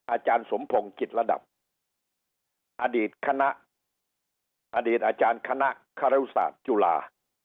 อาจารย์สมพงศ์จิตระดับอดีตคณะอดีตอาจารย์คณะคารุศาสตร์จุฬา